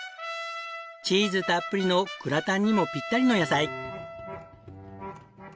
チーズたっぷりのグラタンにもぴったりの野菜。